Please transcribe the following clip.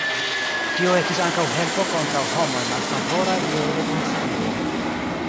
Tio estis ankaŭ helpo kontraŭ homoj malfavoraj je rekonstruo.